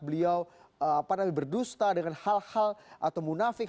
beliau berdusta dengan hal hal atau munafik